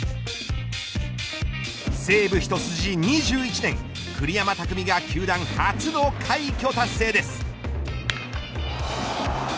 西武一筋２１年栗山巧が球団初の快挙達成です。